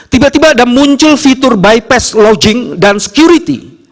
tiba tiba ada muncul fitur bypass launching dan security